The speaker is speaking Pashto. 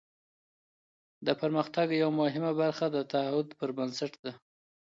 د پرمختګ یوه مهمه برخه د تعهد پر بنسټ ده.